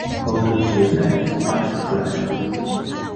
欧洲节拍发展出来。